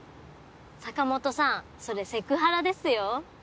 坂本さんそれセクハラですよ。